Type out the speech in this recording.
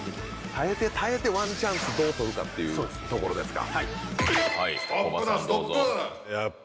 耐えて耐えてワンチャンスどう取るかというところですか？